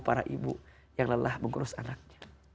para ibu yang lelah mengurus anaknya